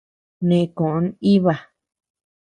Neʼe koʼö nʼiba.